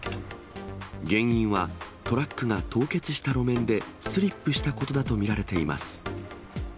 原因はトラックが凍結した路面でスリップしたことだと見られています。